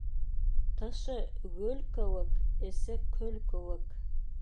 Тышы гөл кеүек, эсе көл кеүек.